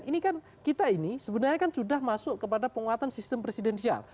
ini kan kita ini sebenarnya kan sudah masuk kepada penguatan sistem presidensial